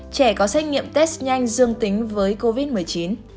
trẻ có xét nghiệm test nhanh dương tính với covid một mươi chín